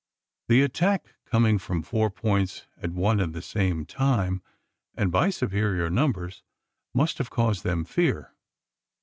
The attack, coming from four points at one and the same time, and by superior numbers must have caused them fear.